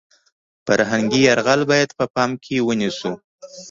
فرهنګي یرغل باید په پام کې ونیسو .